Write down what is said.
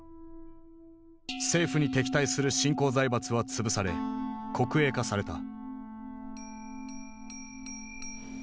政府に敵対する新興財閥は潰され国営化された。